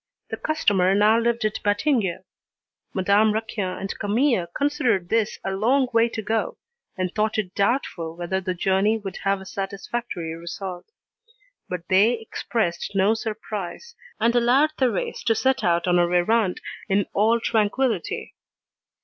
The customer now lived at Batignolles. Madame Raquin and Camille considered this a long way to go, and thought it doubtful whether the journey would have a satisfactory result; but they expressed no surprise, and allowed Thérèse to set out on her errand in all tranquillity.